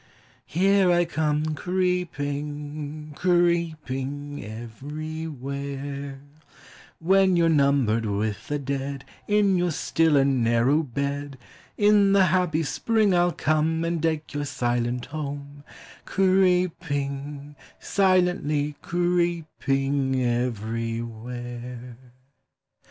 Here I come creeping, creeping everywhere ; When you 're numbered with the dead In your still and narrow bed, In the happy spring I '11 come And deck your silent home, — Creeping, silenth T creeping everywhere.